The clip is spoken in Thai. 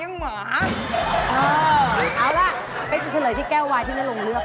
เออเอาล่ะไปจุดเฉลยที่แก้ววายที่น่าลงเลือกค่ะ